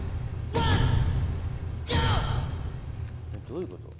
どういうこと？